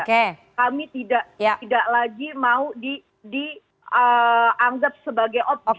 kami tidak lagi mau dianggap sebagai objek